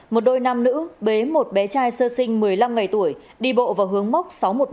một đôi nam nữ bế một bé trai sơ sinh một mươi năm ngày tuổi đi bộ vào hướng mốc sáu trăm một mươi năm